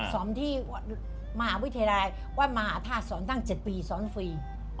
สอนที่มหาวิทยาลัยวัดมหาธาตุสอนตั้ง๗ปีสอนฟรี